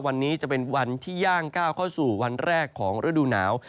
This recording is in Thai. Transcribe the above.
วันนี้จะเป็นวันที่ย่างก้าวเข้าสู่วันแรกของฤดูหนาว